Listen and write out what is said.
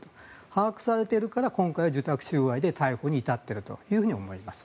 把握されているから今回、受託収賄で逮捕に至っているというふうに思います。